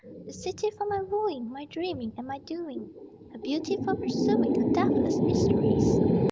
The city for my wooing, My dreaming and my doing; Her beauty for pursuing, Her deathless mysteries.